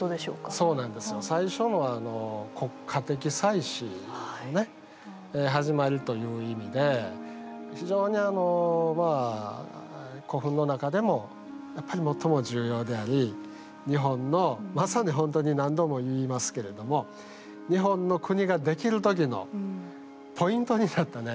そうなんですよ。という意味で非常にまあ古墳の中でもやっぱり最も重要であり日本のまさにほんとに何度も言いますけれども日本の国ができる時のポイントになったね